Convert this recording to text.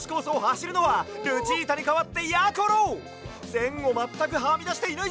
せんをまったくはみだしていないぞ！